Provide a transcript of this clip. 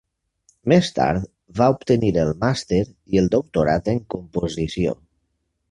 Més tard va obtenir el màster i el doctorat en composició.